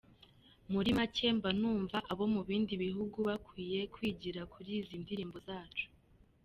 Muri make mba numva abo mu bindi bihugu bakwiye kwigira kuri izi ndirimbo zacu.”